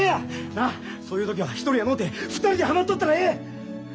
なあそういう時は一人やのうて２人でハマっとったらええ！